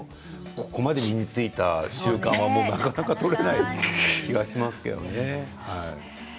ここまで身についた習慣はなかなか取れない気がしますけど。